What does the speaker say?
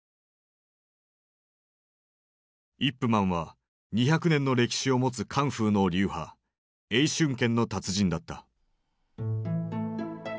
イップ・マンは２００年の歴史を持つカンフーの流派「詠春拳」の達人だった。